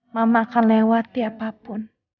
mama akan lewati apapun